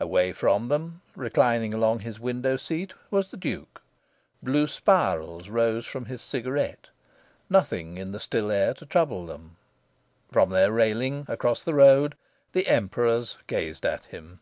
Away from them, reclining along his window seat, was the Duke. Blue spirals rose from his cigarette, nothing in the still air to trouble them. From their railing, across the road, the Emperors gazed at him.